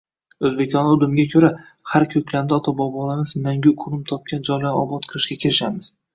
Oʻzbekona udumga koʻra, har koʻklamda ota-bobolarimiz mangu qoʻnim topgan joylarni obod qilishga kirishamiz.